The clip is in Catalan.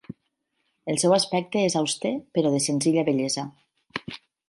El seu aspecte és auster però de senzilla bellesa.